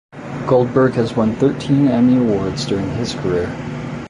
Goldberg has won thirteen Emmy Awards during his career.